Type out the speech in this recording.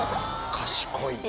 賢い。